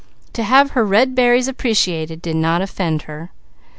To have her red berries appreciated did not offend her.